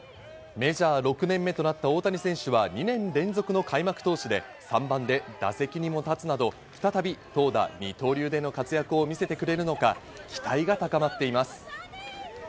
メジャー６年目となった大谷選手は２年連続での開幕投手で、３番で打席にも立つなど、再び投打・二刀流での活躍を見せてくれるのか、期待が高まっています。